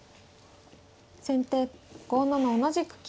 先手５七同じく金。